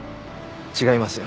違いますよ。